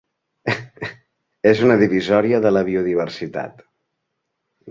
És una divisòria de la biodiversitat.